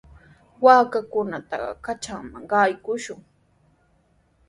Waakakunata kanchanman qaykushun.